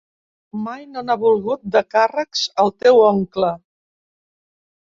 Mai no n'ha volgut, de càrrecs, el teu oncle.